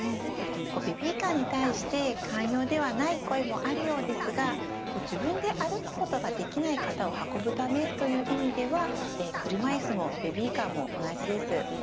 ベビーカーに対して寛容ではない声もあるようですが自分で歩くことができない方を運ぶためという意味では車いすもベビーカーも同じです。